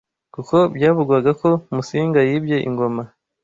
kuko byavugwaga ko Musinga yibye ingoma